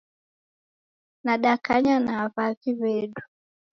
Dadakanya na w'avi w'edu.